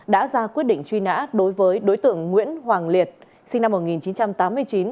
đã ra quyết định truy nã đối với đối tượng nguyễn hoàng liệt sinh năm một nghìn chín trăm tám mươi chín